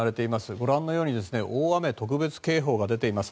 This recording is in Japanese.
ご覧のように大雨特別警報が出ています。